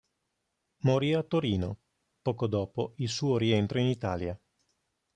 Morì a Torino, poco dopo il suo rientro in Italia.